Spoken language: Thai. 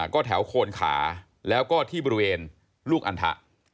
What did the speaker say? ก็แถวโคนขาแล้วก็ที่บริเวณลูกอันทะ